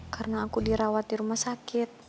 karena aku dirawat di rumah sakit